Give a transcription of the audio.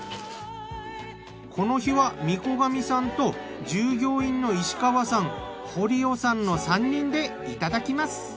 この日は御子神さんと従業員の石川さん堀尾さんの３人でいただきます。